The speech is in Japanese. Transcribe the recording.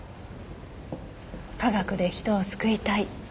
「科学で人を救いたい」